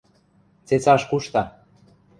– Цецаш кушта.